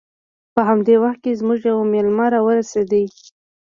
په همدې وخت کې زموږ یو میلمه راورسید